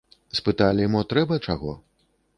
Спыталі, мо трэба чаго?